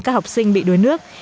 các học sinh bị đuối nước